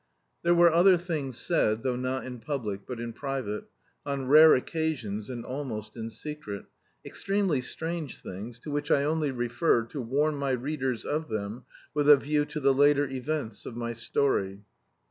There were other things said, though not in public, but in private, on rare occasions and almost in secret, extremely strange things, to which I only refer to warn my readers of them with a view to the later events of my story.